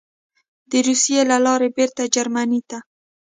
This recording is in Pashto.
د روسیې له لارې بېرته جرمني ته: